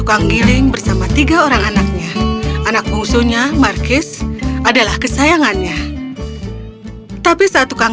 dan meninggalkan markis sendirian